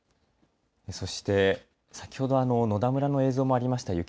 そして先ほど野田村の映像もありました。